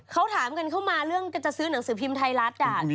เขาถามกันเข้ามาเรื่องจะซื้อหนังสือพิมพ์ไทยรัฐ